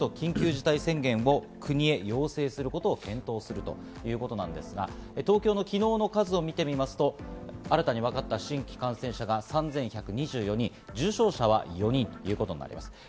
５０％に到達すると緊急事態宣言を国へ要請することを検討するということなんですが、東京の昨日の数を見てみますと、新たに分かった新規感染者が３１２４人、重症者は４人ということになっています。